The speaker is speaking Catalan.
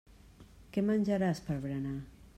Què menjaràs per berenar.